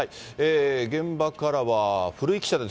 現場からは古井記者です。